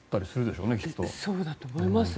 そうだと思います。